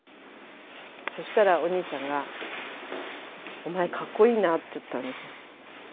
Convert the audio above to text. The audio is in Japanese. そしたらお兄ちゃんが「お前かっこいいな」って言ったんですよね。